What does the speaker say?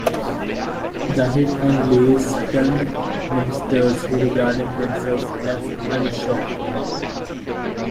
The hit on Lewis stunned Ministers who regarded themselves as unshockable.